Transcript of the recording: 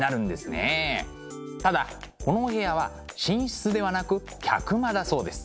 ただこのお部屋は寝室ではなく客間だそうです。